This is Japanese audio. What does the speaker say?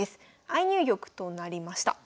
相入玉となりました。